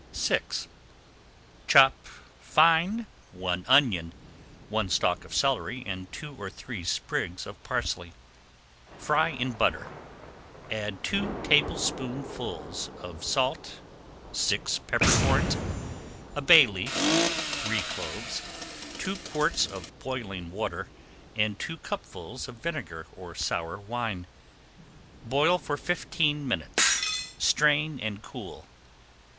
VI Chop fine one onion, one stalk of celery, and two or three sprigs of parsley. Fry in butter, add two tablespoonfuls of salt, six pepper corns, a bay leaf, three cloves, two quarts of [Page 10] boiling water, and two cupfuls of vinegar or sour wine. Boil for fifteen minutes, strain, and cool.